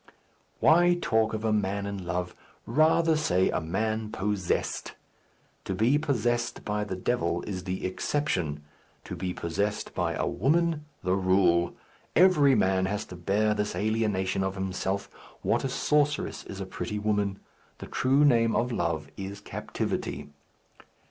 Why talk of a man in love? Rather say a man possessed. To be possessed by the devil, is the exception; to be possessed by a woman, the rule. Every man has to bear this alienation of himself. What a sorceress is a pretty woman! The true name of love is captivity.